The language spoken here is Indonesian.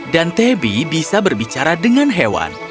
dan tabi bisa berbicara dengan hewan